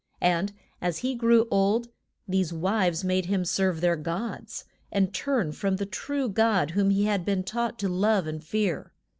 And as he grew old these wives made him serve their Gods, and turn from the true God whom he had been taught to love and fear.